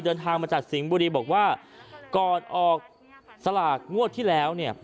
เดินทางมาจากสิงห์บุรีบอกว่าก่อนออกสลากงวดที่แล้วเนี่ย